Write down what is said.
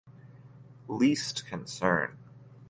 Least concern.